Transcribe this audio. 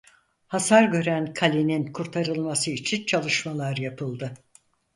Hasar gören kalenin kurtarılması için çalışmalar yapıldı.